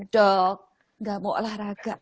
dok gak mau olahraga